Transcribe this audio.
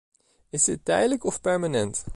Is dit tijdelijk of permanent?